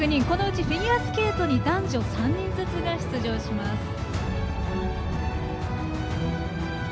このうち、フィギュアスケートに男女３人ずつが出場します。